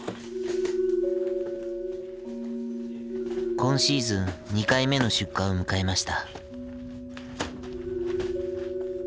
今シーズン２回目の出荷を迎えました。